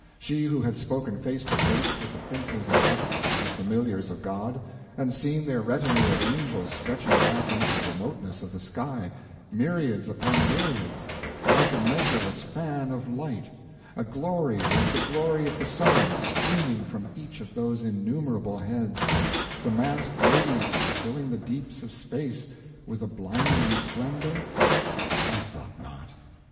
—she who had spoken face to face with the princes of heaven, the familiars of God, and seen their retinue of angels stretching back into the remoteness of the sky, myriads upon myriads, like a measureless fan of light, a glory like the glory of the sun streaming from each of those innumerable heads, the massed radiance filling the deeps of space with a blinding splendor? I thought not.